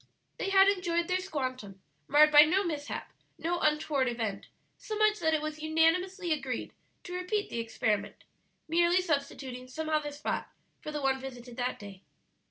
They had enjoyed their "squantum," marred by no mishap, no untoward event, so much that it was unanimously agreed to repeat the experiment, merely substituting some other spot for the one visited that day.